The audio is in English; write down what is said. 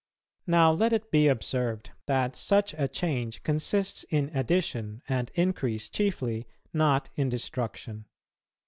Now let it be observed, that such a change consists in addition and increase chiefly, not in destruction.